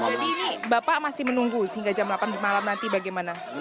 jadi ini bapak masih menunggu sehingga jam delapan malam nanti bagaimana